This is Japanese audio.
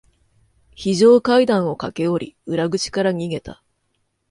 非常階段を駆け下り、裏口から逃げた。